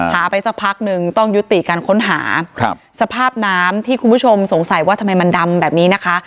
ไปสักพักนึงต้องยุติการค้นหาครับสภาพน้ำที่คุณผู้ชมสงสัยว่าทำไมมันดำแบบนี้นะคะ